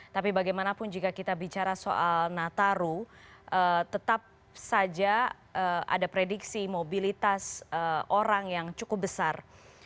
tapi bagaimanapun jika kita bicara soal nataru tetap saja ada prediksi mobilitas orang yang cukup besar